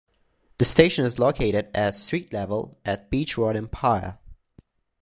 The station is located at street level at Beach Road in Pyle.